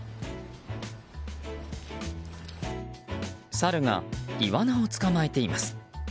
サルがイワナを捕まえています。